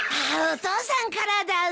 お父さんからだ。